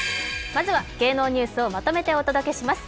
まずは芸能ニュースをまとめてお届けします。